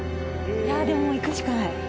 いやでもいくしかない。